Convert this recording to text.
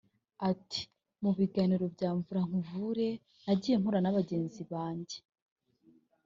Ati “ Mu biganiro bya Mvura nkuvure nagiye mpura na bagenzi banjye